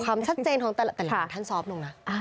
ความชัดเจนของแต่ละท่านซอฟต์ลงนะ